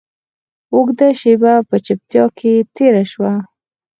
اوږده شېبه په چوپتيا کښې تېره سوه.